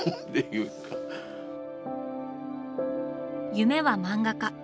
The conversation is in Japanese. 夢は漫画家。